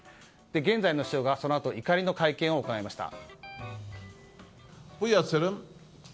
現在の市長がそのあと怒りの会見を行いました。